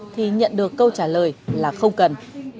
thì nhận được câu trả lời là không cần